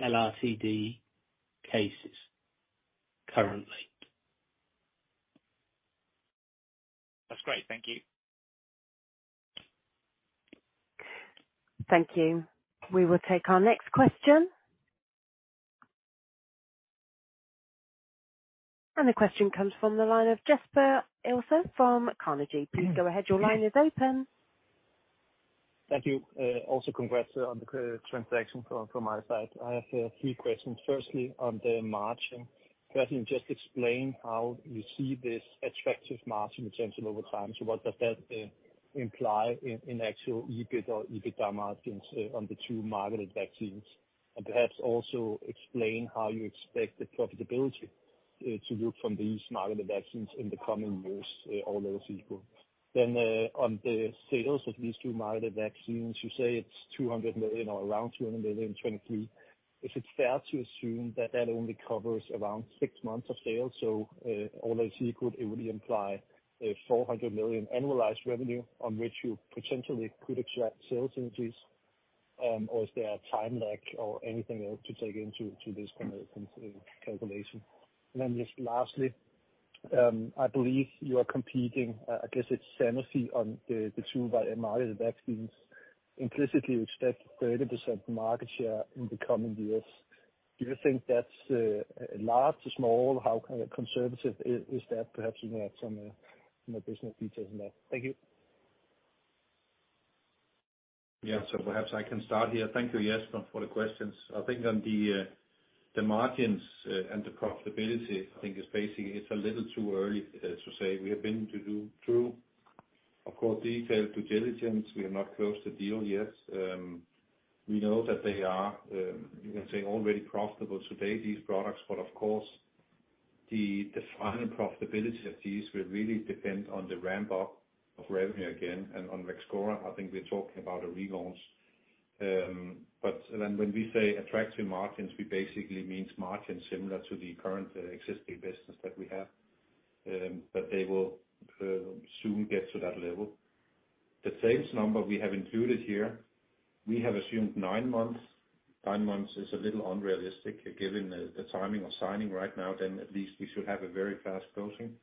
LRTD cases currently. That's great. Thank you. Thank you. We will take our next question. The question comes from the line of Jesper Ilsøe from Carnegie. Please go ahead. Your line is open. Thank you. Also congrats on the transaction from my side. I have a few questions. Firstly, on the margin, can you just explain how you see this attractive margin changing over time? What does that imply in actual EBIT or EBITDA margins on the two margined vaccines? Perhaps also explain how you expect the profitability to look from these margined vaccines in the coming years, all else equal. On the sales of these two margined vaccines, you say it's 200 million or around 200 million 2023. Is it fair to assume that that only covers around 6 months of sales? All else equal, it would imply a 400 million annualized revenue on which you potentially could extract sales increase, or is there a time lag or anything else to take into this kind of calculation? Lastly, I believe you are competing, I guess it's Sanofi on the two margined vaccines, implicitly you expect 30% market share in the coming years. Do you think that's large to small? How kind of conservative is that? Perhaps you can add some more business details on that. Thank you. Perhaps I can start here. Thank you, Jesper, for the questions. I think on the margins and the profitability, I think is basically it's a little too early to say. We have been to do, of course, detailed due diligence. We have not closed the deal yet. We know that they are, you can say already profitable today, these products, but of course, the final profitability of these will really depend on the ramp up of revenue again, and on Vaxchora, I think we're talking about a relaunch. When we say attractive margins, we basically means margins similar to the current existing business that we have, but they will soon get to that level. The sales number we have included here, we have assumed 9 months. 9 months is a little unrealistic given the timing of signing right now. At least we should have a very fast closing,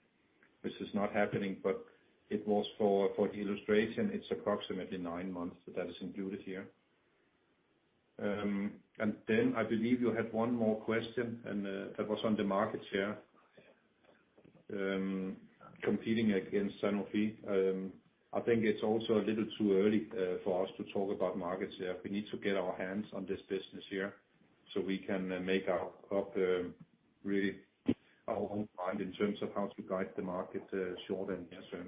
which is not happening. It was for illustration, it's approximately 9 months that is included here. I believe you had 1 more question. That was on the market share competing against Sanofi. I think it's also a little too early for us to talk about market share. We need to get our hands on this business here so we can make our really our own mind in terms of how to guide the market short and near term.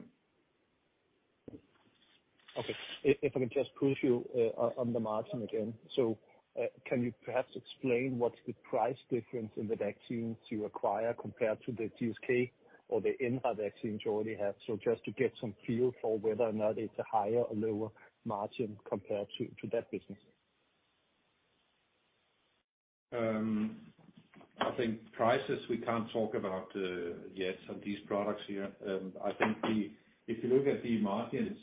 Okay. If I can just push you on the margin again. Can you perhaps explain what's the price difference in the vaccine to acquire compared to the GSK or the MR vaccines you already have? Just to get some feel for whether or not it's a higher or lower margin compared to that business. I think prices we can't talk about yet on these products here. I think if you look at the margins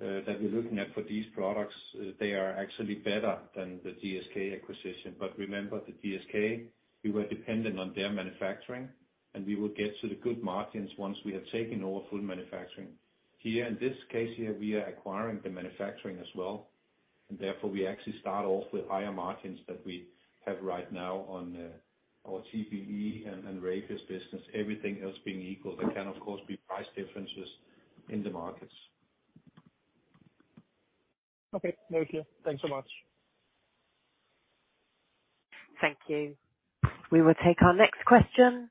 that we're looking at for these products, they are actually better than the GSK acquisition. Remember the GSK, we were dependent on their manufacturing, and we will get to the good margins once we have taken over full manufacturing. Here in this case here, we are acquiring the manufacturing as well, and therefore we actually start off with higher margins than we have right now on our TBE and rabies business, everything else being equal. There can of course be price differences in the markets. Okay. Thank you. Thanks so much. Thank you. We will take our next question.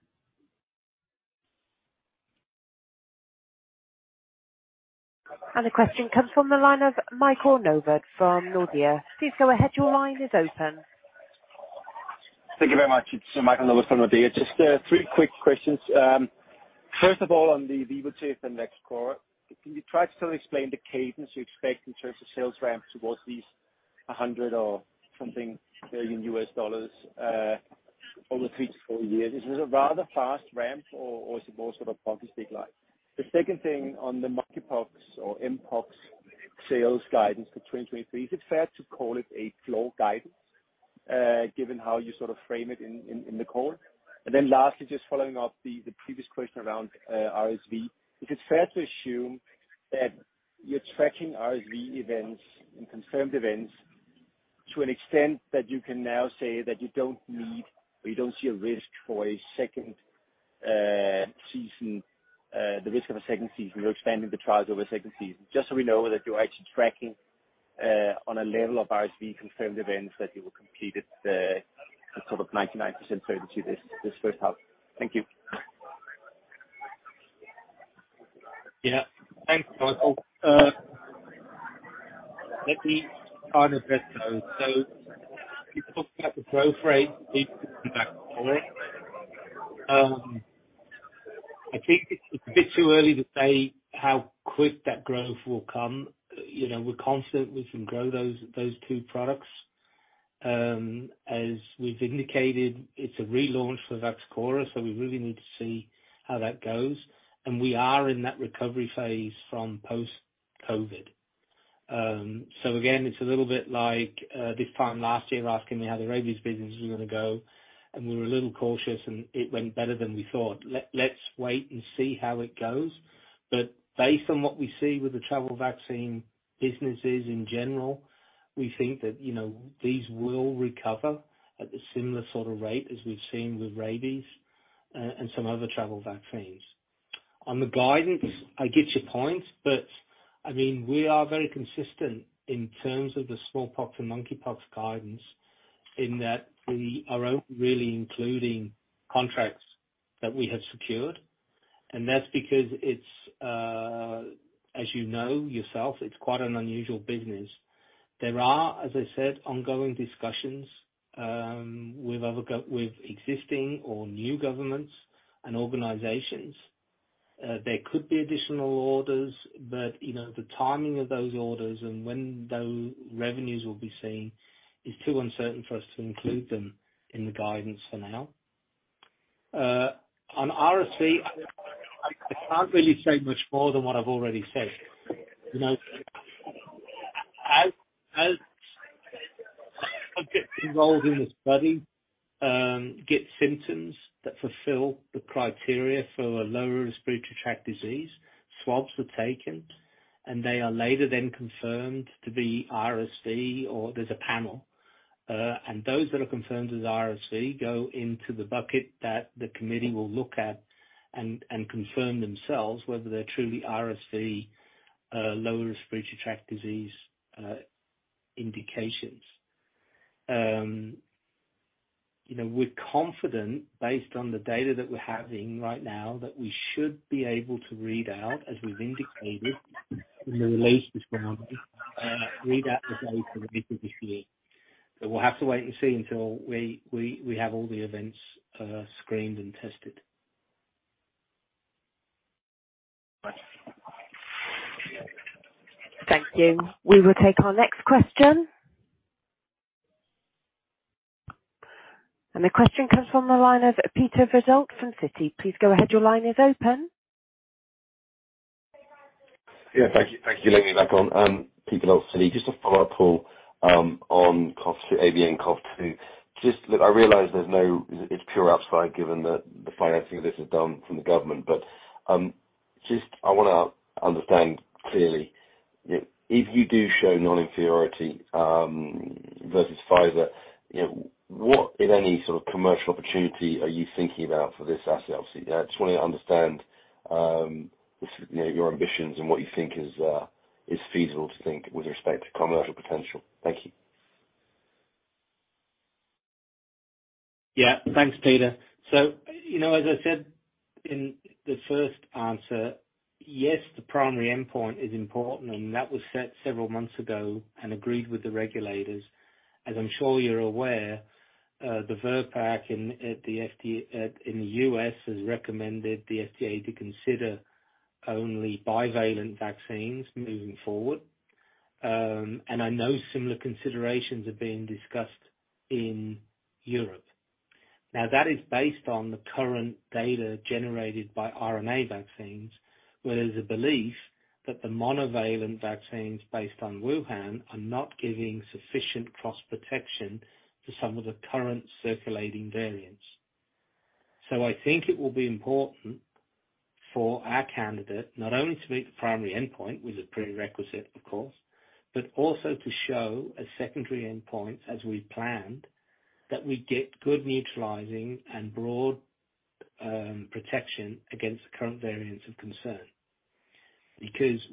The question comes from the line of Michael Novod from Nordea. Please go ahead. Your line is open. Thank you very much. It's Michael Novod from Nordea. Just three quick questions. First of all, on the Vivotif and Vaxchora, can you try to explain the cadence you expect in terms of sales ramp towards these $100 million or something over three to four years? Is it a rather fast ramp or is it more sort of hockey stick like? The second thing on the monkeypox or mpox sales guidance for 2023, is it fair to call it a floor guidance given how you sort of frame it in the call? Lastly, just following up the previous question around RSV, is it fair to assume that you're tracking RSV events and confirmed events to an extent that you can now say that you don't need or you don't see a risk for a second season, the risk of a second season, you're expanding the trials over a second season? Just so we know that you're actually tracking on a level of RSV confirmed events that you will complete it, a sort of 99% certainty this first half. Thank you. Yeah. Thanks, Michael. Let me try and address those. You talked about the growth rate Mm-hmm. I think it's a bit too early to say how quick that growth will come. You know, we're constantly seeing growth those two products. As we've indicated, it's a relaunch for Vaxchora, so we really need to see how that goes. We are in that recovery phase from post-COVID. Again, it's a little bit like this time last year asking me how the rabies business was gonna go, and we were a little cautious, and it went better than we thought. Let's wait and see how it goes. Based on what we see with the travel vaccine businesses in general, we think that, you know, these will recover at a similar sort of rate as we've seen with rabies and some other travel vaccines. On the guidance, I get your point, but, I mean, we are very consistent in terms of the smallpox and monkeypox guidance in that we are really including contracts that we have secured, and that's because it's, as you know yourself, it's quite an unusual business. There are, as I said, ongoing discussions with existing or new governments and organizations. There could be additional orders, but, you know, the timing of those orders and when those revenues will be seen is too uncertain for us to include them in the guidance for now. On RSV, I can't really say much more than what I've already said. You know, as involved in the study, get symptoms that fulfill the criteria for a lower respiratory tract disease, swabs are taken, and they are later then confirmed to be RSV or there's a panel. Those that are confirmed as RSV go into the bucket that the committee will look at and confirm themselves whether they're truly RSV, lower respiratory tract disease indications. You know, we're confident based on the data that we're having right now, that we should be able to read out as we've indicated in the release this morning, read out the data later this year. We'll have to wait and see until we have all the events screened and tested. Thank you. We will take our next question. The question comes from the line of Peter Verdult from Citi. Please go ahead, your line is open. Yeah. Thank you. Thank you for letting me back on. Peter Verdult, Citi. Just a follow-up call on ABNCoV2. Look, I realize there's no... It's pure upside, given that the financing of this is done from the government. Just I wanna understand clearly, you know, if you do show non-inferiority versus Pfizer, you know, what, if any, sort of commercial opportunity are you thinking about for this asset obviously? I just wanna understand, you know, your ambitions and what you think is feasible to think with respect to commercial potential. Thank you. Yeah. Thanks, Peter. You know, as I said in the first answer, yes, the primary endpoint is important, and that was set several months ago and agreed with the regulators. As I'm sure you're aware, the VRBPAC in the U.S. has recommended the FDA to consider only bivalent vaccines moving forward. I know similar considerations are being discussed in Europe. That is based on the current data generated by RNA vaccines, where there's a belief that the monovalent vaccines based on Wuhan are not giving sufficient cross-protection to some of the current circulating variants. I think it will be important for our candidate, not only to meet the primary endpoint, which is a prerequisite, of course, but also to show as secondary endpoints as we planned, that we get good neutralizing and broad protection against the current variants of concern.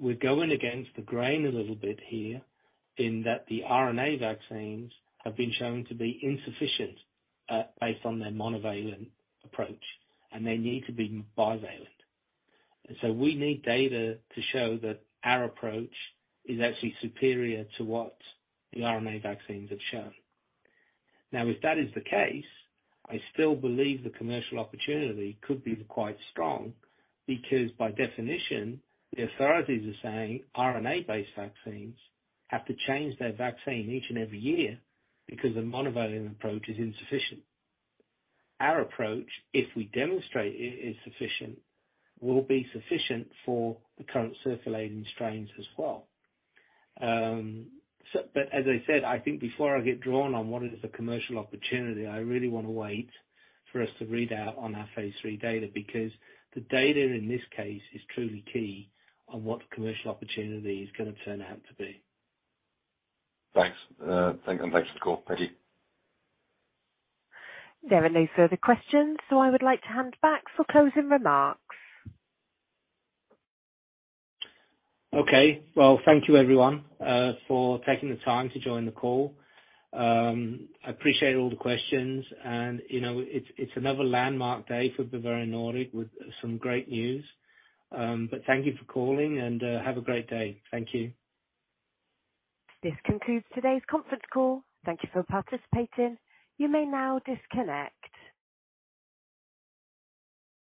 We're going against the grain a little bit here in that the RNA vaccines have been shown to be insufficient, based on their monovalent approach, and they need to be bivalent. We need data to show that our approach is actually superior to what the RNA vaccines have shown. If that is the case, I still believe the commercial opportunity could be quite strong because by definition, the authorities are saying RNA-based vaccines have to change their vaccine each and every year because the monovalent approach is insufficient. Our approach, if we demonstrate it is sufficient, will be sufficient for the current circulating strains as well. As I said, I think before I get drawn on what is the commercial opportunity, I really wanna wait for us to read out on our phase 3 data, because the data in this case is truly key on what the commercial opportunity is gonna turn out to be. Thanks. Thanks for the call. Thank you. There are no further questions, so I would like to hand back for closing remarks. Okay. Well, thank you everyone, for taking the time to join the call. I appreciate all the questions and, you know, it's another landmark day for Bavarian Nordic with some great news. Thank you for calling and, have a great day. Thank you. This concludes today's conference call. Thank you for participating. You may now disconnect.